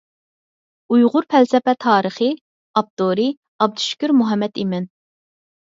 «ئۇيغۇر پەلسەپە تارىخى»، ئاپتورى: ئابدۇشۈكۈر مۇھەممەتئىمىن.